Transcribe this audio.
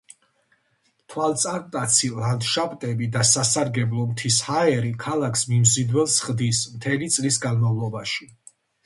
თვალწარმტაცი ლანდშაფტები და სასარგებლო მთის ჰაერი ქალაქს მიმზიდველს ხდის მთელი წლის განმავლობაში.